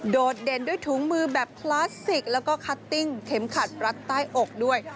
โดดเด่นด้วยถุงมือแบบพลาสติกแล้วก็คัตติ้งเข็มขัดรัดใต้อกด้วย